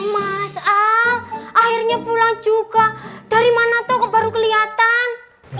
mas a akhirnya pulang juga dari mana toko baru kelihatan